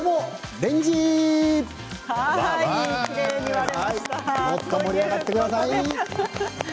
レンジもっと盛り上がってください。